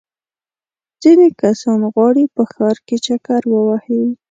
ځینې کسان غواړي په ښار کې چکر ووهي.